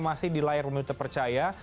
masih di layar pemilu terpercaya